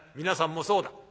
皆さんもそうだ。